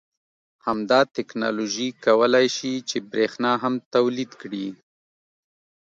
همدا تکنالوژي کولای شي چې بریښنا هم تولید کړي